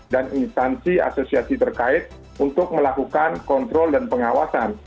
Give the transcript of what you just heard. dan instansi asosiasi terkait untuk melakukan kontrol dan pengawasan